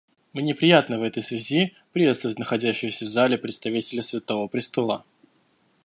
Мне приятно в этой связи приветствовать находящегося в зале представителя Святого Престола.